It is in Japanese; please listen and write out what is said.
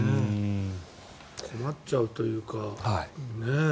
困っちゃうというかね。